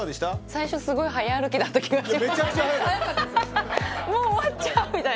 最初すごい速歩きだった気がします。